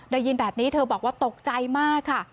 ได้ยินแบบนี้เธอบอกว่าตกใจมากค่ะ